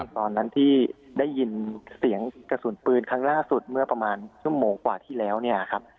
ตอนนั้นที่ได้ยินเสียงกระสุนปืนครั้งล่าสุดเมื่อประมาณชั่วโมงกว่าที่แล้วเนี่ยครับ